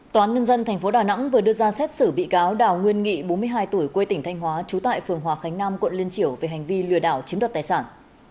tòa án nhân dân tp đà nẵng vừa đưa ra xét xử bị cáo đào nguyên nghị bốn mươi hai tuổi quê tỉnh thanh hóa trú tại phường hòa khánh nam quận liên triểu về hành vi lừa đảo chiếm đoạt tài sản